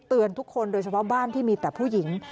ทุกคนโดยเฉพาะบ้านที่มีแต่ผู้หญิง